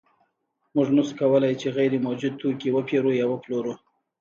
موږ نشو کولی چې غیر موجود توکی وپېرو یا وپلورو